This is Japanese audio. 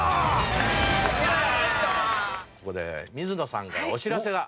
ここで水野さんからお知らせが。